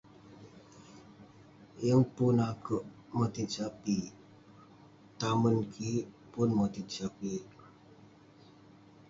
Yeng pun akouk motit sapik, tamen kik, motit sapik..